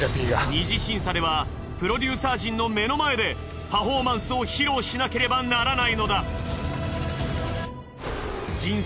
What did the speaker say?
二次審査ではプロデューサー陣の目の前でパフォーマンスを披露しなければならないのだ。